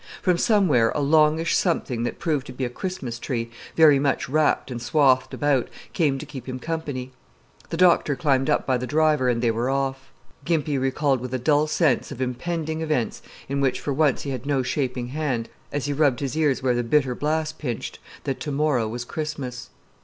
From somewhere a longish something that proved to be a Christmas tree, very much wrapped and swathed about, came to keep him company. The doctor climbed up by the driver, and they were off. Gimpy recalled with a dull sense of impending events in which for once he had no shaping hand, as he rubbed his ears where the bitter blast pinched, that to morrow was Christmas.